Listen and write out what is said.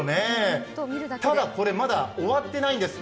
ただこれまだ終わってないんです。